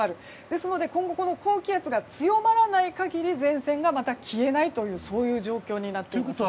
ですので、今後この高気圧が強まらない限り前線がまた消えないという状況になっています。